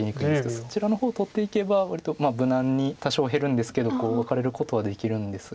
そちらの方取っていけば割と無難に多少減るんですけどワカれることはできるんですが。